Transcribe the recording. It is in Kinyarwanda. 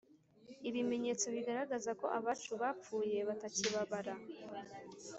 Ibimenyetso bigaragaza ko abacu bapfuye batakibabara